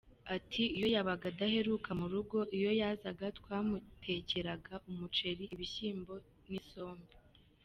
Ati “Iyo yabaga adaheruka mu rugo, iyo yazaga twamutekeraga umuceri, ibishyimbo, isombe.